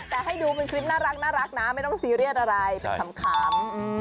แต่ให้ดูเป็นคลิปน่ารักนะไม่ต้องซีเรียสอะไรเป็นขำ